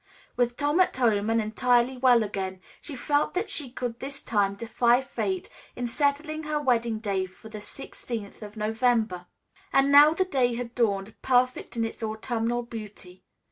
With Tom at home and entirely well again, she felt that she could this time defy fate in setting her wedding day for the sixteenth of November. And now the day had dawned, perfect in its autumnal beauty.